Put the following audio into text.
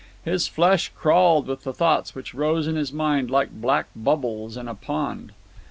His flesh crawled with the thoughts which rose in his mind like black bubbles in a pond.